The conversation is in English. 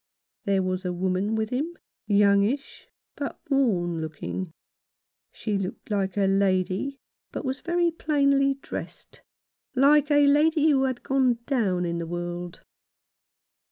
There was a woman with him, youngish, but worn looking. She looked like a lady, but was very plainly dressed — like a lady who had gone down in the world.